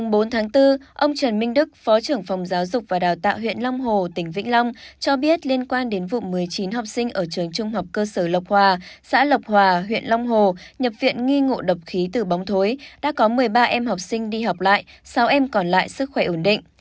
ngày bốn tháng bốn ông trần minh đức phó trưởng phòng giáo dục và đào tạo huyện long hồ tỉnh vĩnh long cho biết liên quan đến vụ một mươi chín học sinh ở trường trung học cơ sở lộc hòa xã lộc hòa huyện long hồ nhập viện nghi ngộ độc khí từ bóng thối đã có một mươi ba em học sinh đi học lại sáu em còn lại sức khỏe ổn định